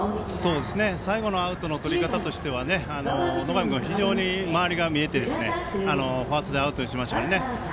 最後のアウトのとり方としては野上君、非常に周りが見えてファーストでアウトにしましたからね。